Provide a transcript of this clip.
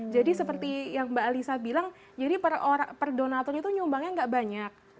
jadi seperti yang mbak alisa bilang jadi per donaturnya itu nyumbangnya enggak banyak